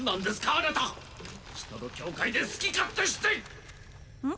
あなた人の境界で好き勝手してうん？